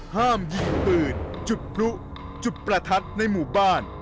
ห้ามยิงปืนจุดพลุจุดประทัดในหมู่บ้าน